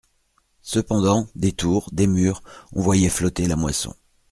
Cependant, des tours, des murs, on voyait flotter la moisson.